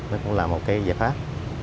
nó cũng là một giải pháp